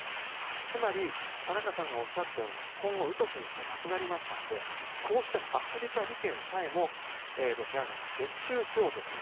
つまり、田中さんがおっしゃったようにウトキン氏も亡くなったのでこうしたアフリカ利権さえもロシア軍が接収しようとする。